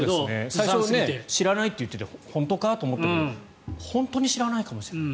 最初知らないと言っていて本当か？と思ってたけど本当に知らないかもしれない。